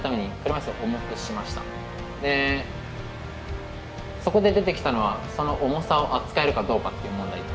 そこをそこで出てきたのはその重さを扱えるかどうかっていう問題で。